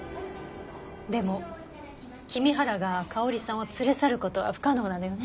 でも君原が香織さんを連れ去る事は不可能なのよね？